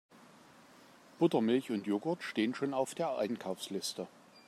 Buttermilch und Jogurt stehen schon auf der Einkaufsliste.